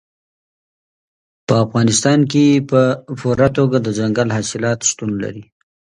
په افغانستان کې په پوره توګه دځنګل حاصلات شتون لري.